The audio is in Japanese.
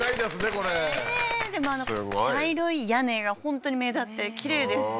これねえでもあの茶色い屋根が本当に目立ってきれいでした